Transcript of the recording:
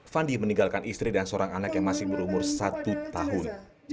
fandi meninggalkan istri dan seorang anak yang masih berumur satu tahun